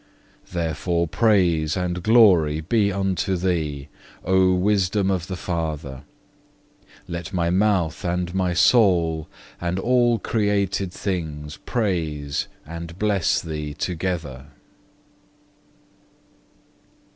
Therefore praise and glory be unto Thee, O Wisdom of the Father, let my mouth and my soul and all created things praise and bless Thee together.